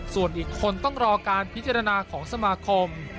ส่วนอีกคนต้องรอการพิจารณาของสมาคม